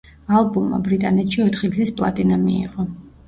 ალბომმა ბრიტანეთში ოთხი გზის პლატინა მიიღო.